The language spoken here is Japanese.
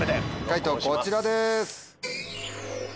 解答こちらです。